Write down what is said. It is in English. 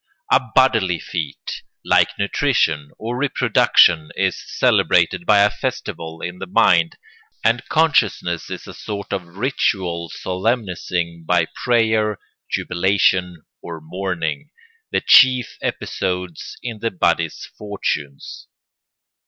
A bodily feat, like nutrition or reproduction, is celebrated by a festival in the mind, and consciousness is a sort of ritual solemnising by prayer, jubilation, or mourning, the chief episodes in the body's fortunes.